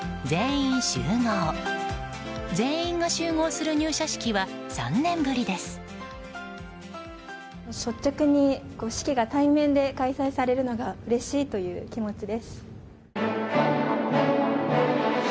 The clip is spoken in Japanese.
全員が集合する入社式は３年ぶりです。